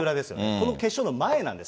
この決勝の前なんです。